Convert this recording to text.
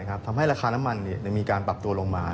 ทำให้ราคาน้ำมันมีการปรับตัวลงมา